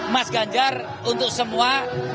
mas ganjar untuk semua